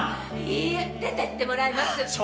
いいえ出てってもらいます！